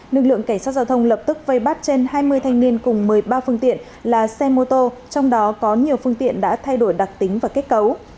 lực lượng cảnh sát giao thông lập tức vây bắt trên hai mươi thanh niên cùng một mươi ba phương tiện là xe mô tô trong đó có nhiều phương tiện đã thay đổi đặc tính và kết cấu